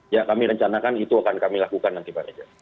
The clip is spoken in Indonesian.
ya kami rencanakan itu akan kami lakukan nanti pak reza